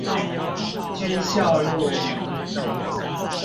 軍校路